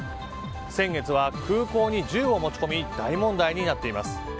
先月は空港に銃を持ち込み大問題になっています。